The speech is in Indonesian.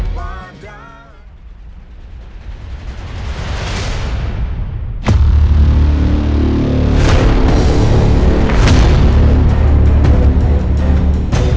kaki lu besar kan